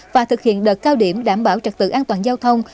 và thực hiện đợt cao điểm đảm bảo trật tự an toàn giao thông